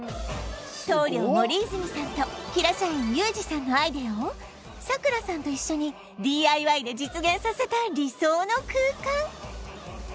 棟梁森泉さんと平社員ユージさんのアイデアをさくらさんと一緒に ＤＩＹ で実現させた理想の空間